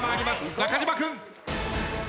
中島君。